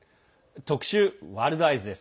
特集「ワールドＥＹＥＳ」。